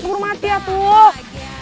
kurang mati ya tuh